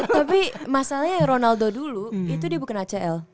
tapi masalahnya ronaldo dulu itu dia bukan acl